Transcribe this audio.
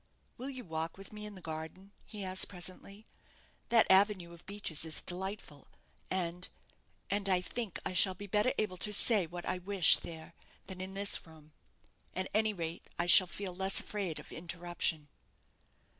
"Will you walk with me in the garden?" he asked, presently; "that avenue of beeches is delightful, and and I think I shall be better able to say what I wish there, than in this room. At any rate, I shall feel less afraid of interruption."